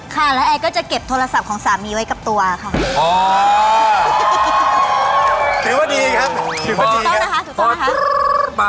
ค่ะแล้วไอก็จะเก็บโทรศัพท์ของสามีไว้กับตัวค่ะ